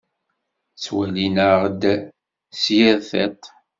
Ttwalin-aɣ-d s yir tiṭ.